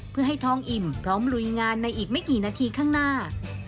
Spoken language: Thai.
เพื่อให้ท้องอิ่มพร้อมลุยงานในอีกไม่กี่นาทีข้างหน้า